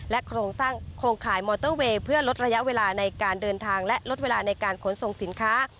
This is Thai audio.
โครงสร้างโครงข่ายมอเตอร์เวย์เพื่อลดระยะเวลาในการเดินทางและลดเวลาในการขนส่งสินค้า